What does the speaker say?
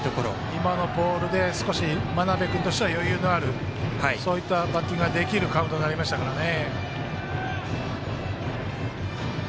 今のボールで少し真鍋君としては余裕のあるそういったバッティングができるカウントになりましたね。